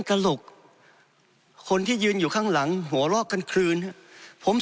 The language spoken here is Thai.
กระหลกคนที่ยืนอยู่ข้างหลังหัวเราะกันคลืนครับผม